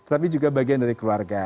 tapi juga bagian dari keluarga